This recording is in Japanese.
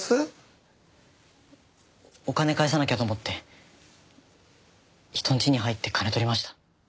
お金返さなきゃと思って人んちに入って金取りました。